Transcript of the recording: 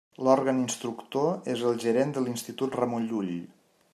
L'òrgan instructor és el gerent de l'Institut Ramon Llull.